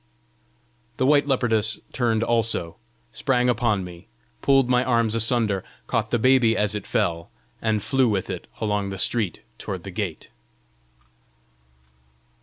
The white leopardess turned also, sprang upon me, pulled my arms asunder, caught the baby as it fell, and flew with it along the street toward the gate.